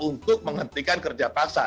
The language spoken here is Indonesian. untuk menghentikan kerja paksa